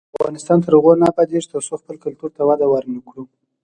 افغانستان تر هغو نه ابادیږي، ترڅو خپل کلتور ته وده ورنکړو.